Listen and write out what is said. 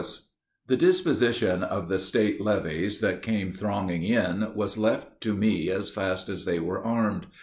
] The disposition of the State levies that came thronging in was left to me as fast as they were armed.